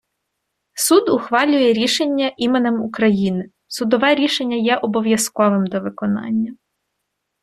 Суд ухвалює рішення іменем України. Судове рішення є обов’язковим до виконання.